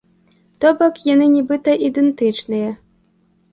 То бок яны нібыта ідэнтычныя.